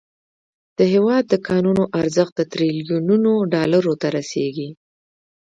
د هیواد د کانونو ارزښت تریلیونونو ډالرو ته رسیږي.